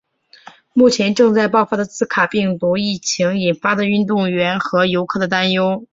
目前正在爆发的兹卡病毒疫情引发运动员和游客的担忧。